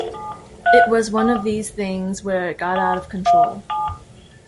It was one of these things where it got out of control.